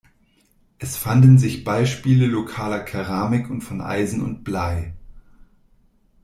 Es fanden sich Beispiele lokaler Keramik und von Eisen und Blei.